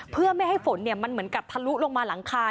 เพื่อไม่ให้ฝนมันเหมือนกับทะลุลงมาหลังคา